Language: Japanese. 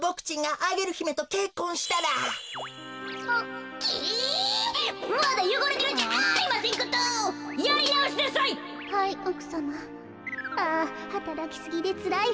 あはたらきすぎでつらいわ。